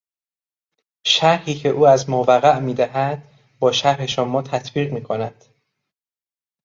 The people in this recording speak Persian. شرحی که او از ماوقع میدهد با شرح شما تطبیق میکند.